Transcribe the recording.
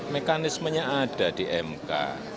mekanismenya ada di mk